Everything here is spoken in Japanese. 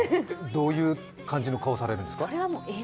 どういう感じの顔されるんですか？